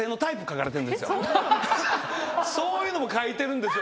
そういうのも書いてるんですよ